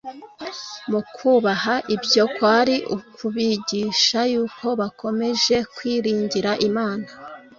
Mu kubaha ibyo, kwari ukubigisha yuko bakomeje kwiringira Imana